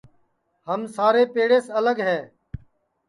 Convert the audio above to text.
ہم سارے پیڑیس الگے ہے